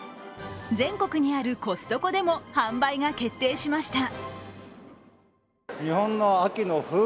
全国にあるコストコでも販売が決定しました。